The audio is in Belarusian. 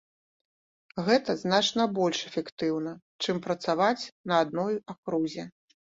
Гэта значна больш эфектыўна, чым працаваць на адной акрузе.